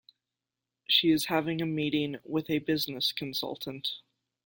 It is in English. She is having a meeting with a business consultant.